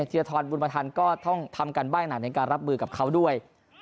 ธีรทรบุญประทันก็ต้องทำการใบ้หนักในการรับมือกับเขาด้วย